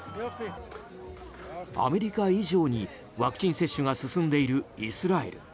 アメリカ以上に、ワクチン接種が進んでいるイスラエル。